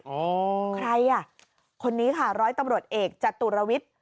โอ้ใครอ่ะคนนี้ค่ะร้อยตำลดเอกจตุรวิต